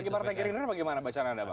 bagi partai gerinda bagaimana bacana anda pak